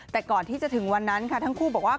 แต่ก่อนที่จะถึงวันนั้นค่ะทั้งคู่บอกว่า